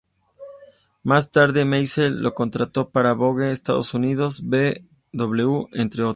Más tarde, Meisel la contrató para Vogue Estados Unidos, V, W, entre otros.